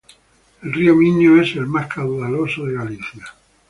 El río Miño es el más caudaloso de Galicia.